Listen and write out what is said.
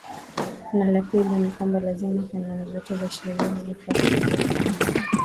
na la pili ni kwamba lazima kanuni zote za sheria zifwatiliwe kwamba